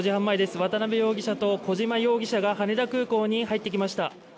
渡辺容疑者と小島容疑者が羽田空港に入ってきました。